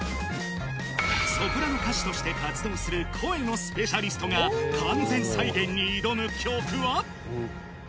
ソプラノ歌手として活動する声のスペシャリストが、完全再現に挑む曲は。